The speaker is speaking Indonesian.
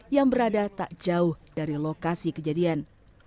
yang berada tak jauh dari lokasi kejadian